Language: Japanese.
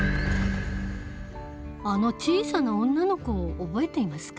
あの小さな女の子を覚えていますか？